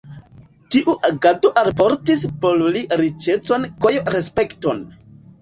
Tiu agado alportis por li riĉecon kj respekton.